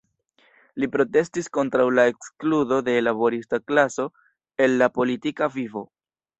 Li protestis kontraŭ la ekskludo de la laborista klaso el la politika vivo.